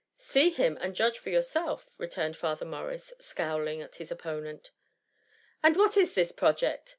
" See him, and judge for yourself,'' re« turned Father Morris, scowling at his opponent. *^ And what is this project